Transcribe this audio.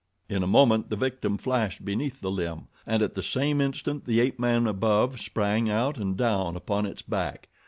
In a moment the victim flashed beneath the limb and at the same instant the ape man above sprang out and down upon its back.